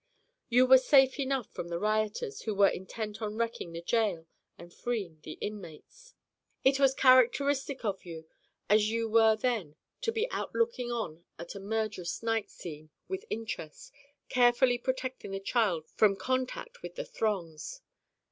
You were safe enough from the rioters who were intent on wrecking the gaol and freeing the inmates. It was characteristic of you as you were then to be out looking on at a murderous night scene with interest, carefully protecting the child from contact with the throngs.